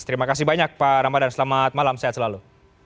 terima kasih banyak pak ramadhan selamat malam sehat selalu